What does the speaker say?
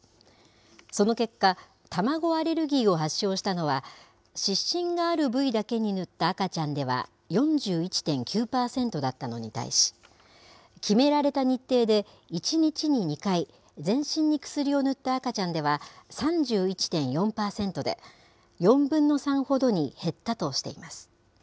その結果、卵アレルギーを発症したのは、湿疹がある部位だけに塗った赤ちゃんでは４１．９％だったのに対し、決められた日程で１日に２回、全身に薬を塗った赤ちゃんでは３１．４％で、４分の３ほどに減ったとしています。